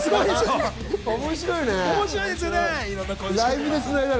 面白いね。